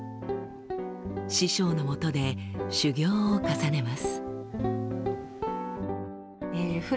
師匠のもとで修業を重ねます。